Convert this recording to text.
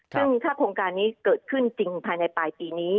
ซึ่งถ้าโครงการนี้เกิดขึ้นจริงภายในปลายปีนี้